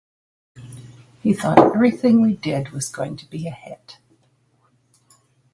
He thought everything we did was going to be a hit.